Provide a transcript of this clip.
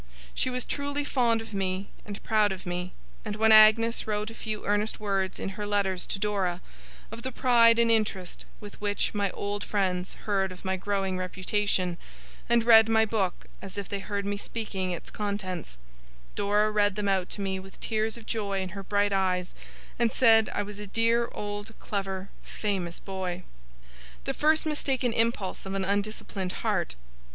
She was truly fond of me, and proud of me; and when Agnes wrote a few earnest words in her letters to Dora, of the pride and interest with which my old friends heard of my growing reputation, and read my book as if they heard me speaking its contents, Dora read them out to me with tears of joy in her bright eyes, and said I was a dear old clever, famous boy. 'The first mistaken impulse of an undisciplined heart.